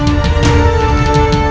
kau lawat aku